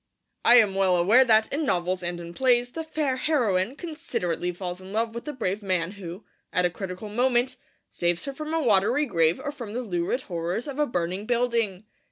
I am well aware that, in novels and in plays, the fair heroine considerately falls in love with the brave man who, at a critical moment, saves her from a watery grave or from the lurid horrors of a burning building.